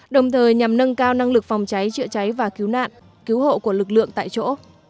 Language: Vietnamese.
đồng thời nhằm nâng cao năng lực phòng cháy chữa cháy và cứu nạn cứu hộ của lực lượng tại chỗ